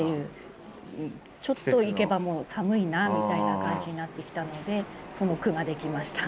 ちょっといけばもう寒いなみたいな感じになってきたのでその句ができました。